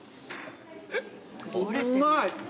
うまい！